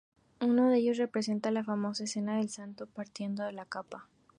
Uno de ellos representa la famosa escena del santo partiendo la capa.